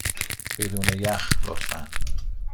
بدون یخ، لطفا.